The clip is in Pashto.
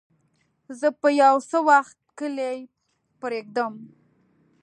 زه به يو څه وخت کلی پرېږدم.